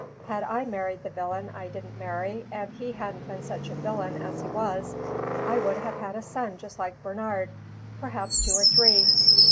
Had I married the villain I didn't marry, and he hadn't been such a villain as he was, I would have had a son just like Bernard perhaps two or three.